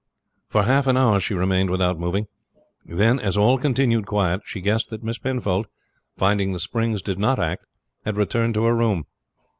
For half an hour she remained without moving; then, as all continued quiet, she guessed that Miss Penfold, finding the springs did not act, had returned to her room.